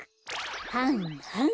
はんはん。